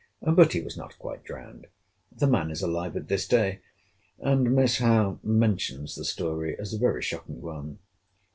—But he was not quite drowned. The man is alive at this day, and Miss Howe mentions the story as a very shocking one.